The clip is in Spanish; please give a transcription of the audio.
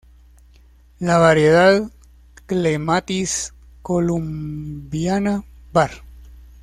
La variedad "Clematis columbiana" var.